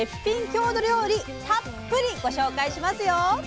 郷土料理たっぷりご紹介しますよ。